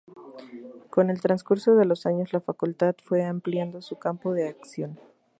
Con el transcurso de los años, la Facultad fue ampliando su campo de acción.